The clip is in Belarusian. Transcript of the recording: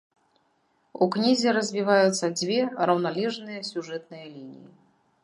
У кнізе развіваюцца дзве раўналежныя сюжэтныя лініі.